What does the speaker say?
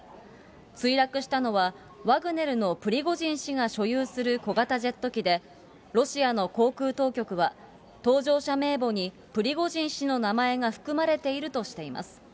墜落したのはワグネルのプリゴジン氏が所有する小型ジェット機で、ロシアの航空当局は、搭乗者名簿にプリゴジン氏の名前が含まれているとしています。